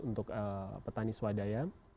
untuk petani swadaya